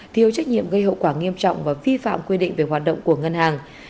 thiếu trách nhiệm gây hậu quả nghiêm trọng và vi phạm quy định về hoạt động của ngân hàng